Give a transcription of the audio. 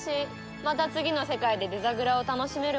また次の世界でデザグラを楽しめるわね。